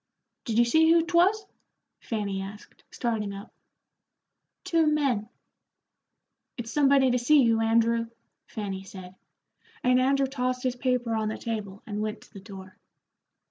"Did you see who 'twas?" Fanny asked, starting up. "Two men." "It's somebody to see you, Andrew," Fanny said, and Andrew tossed his paper on the table and went to the door.